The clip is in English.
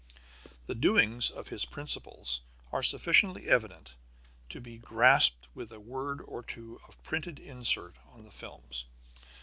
The doings of his principals are sufficiently evident to be grasped with a word or two of printed insert on the films.